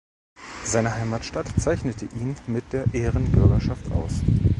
Seine Heimatstadt zeichnete ihn mit der Ehrenbürgerschaft aus.